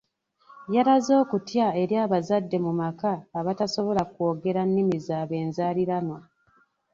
Yalaze okutya eri abazadde mu maka abatasobola kwogera nnimi zaabwe enzaaliranwa.